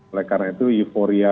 oleh karena itu euforia